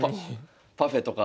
パフェとか。